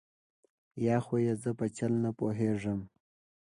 یا خو یې زه په چل نه پوهېږم.